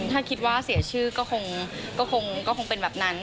ถ้าคิดว่าเสียชื่อก็คงเป็นแบบนั้น